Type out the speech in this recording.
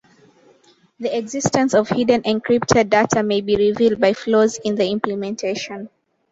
The existence of hidden encrypted data may be revealed by flaws in the implementation.